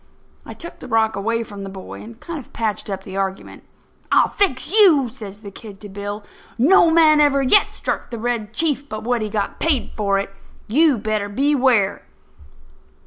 I took the rock away from the boy and kind of patched up the argument. "I'll fix you," says the kid to Bill. "No man ever yet struck the Red Chief but what he got paid for it. You better beware!"